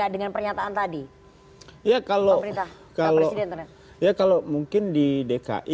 dengan pernyataan tadi ya kalau berita kalau sederhana ya kalau mungkin di dki